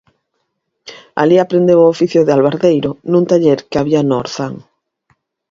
Alí aprendeu o oficio de albardeiro nun taller que había no Orzán.